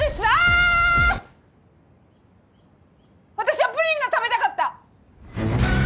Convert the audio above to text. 私はプリンが食べたかった！